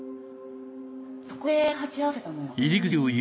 そこで鉢合わせたのよ。